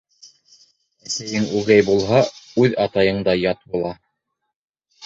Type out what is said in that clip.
Әсәйең үгәй булһа, үҙ атайың да ят була.